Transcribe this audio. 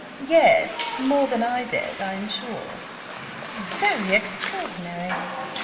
"Yes; more than I did, I am sure." "Very extraordinary!